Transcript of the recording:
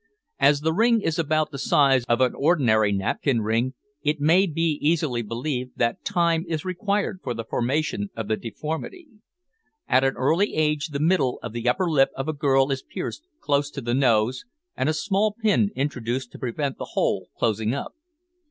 As the ring is about the size of an ordinary napkin ring, it may be easily believed, that time is required for the formation of the deformity. At an early age the middle of the upper lip of a girl is pierced close to the nose, and a small pin introduced to prevent the hole closing up.